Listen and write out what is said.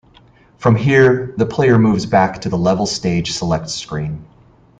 From here, the player moves back to the level's stage select screen.